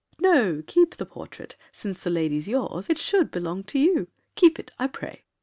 No, keep the portrait; since the lady's yours, It should belong to you. Keep it, I pray.